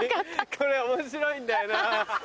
これ面白いんだよな。